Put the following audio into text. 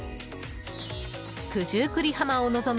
九十九里浜を望む